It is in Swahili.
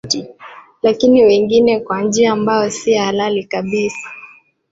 lakini wengine kwa njia ambao si halali kabisa